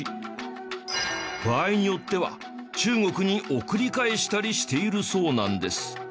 場合によっては中国に送り返したりしているそうなんです。